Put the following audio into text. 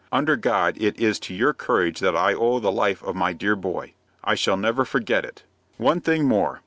"Under God it is to your courage that I owe the life of my dear boy. I shall never forget it. One thing more.